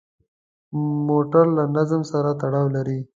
موټر له نظم سره تړاو لري.